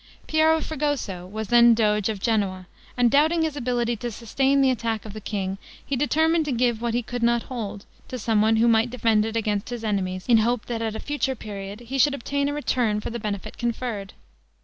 Piero Fregoso was then doge of Genoa, and doubting his ability to sustain the attack of the king, he determined to give what he could not hold, to some one who might defend it against his enemies, in hope, that at a future period, he should obtain a return for the benefit conferred.